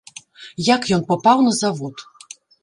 Як ён папаў на завод?